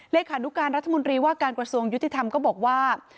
เลขานุการรัฐมนตรีว่าการกระทรวงยุติธรรมก็บอกว่า